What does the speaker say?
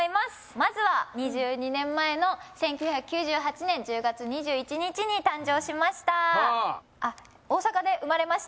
まずは２２年前の１９９８年１０月２１日に誕生しました。